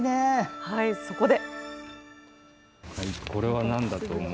そこで。